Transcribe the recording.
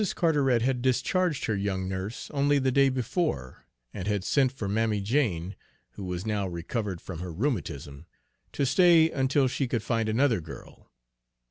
Carteret had discharged her young nurse only the day before, and had sent for Mammy Jane, who was now recovered from her rheumatism, to stay until she could find another girl.